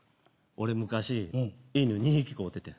俺昔犬２匹飼うててん。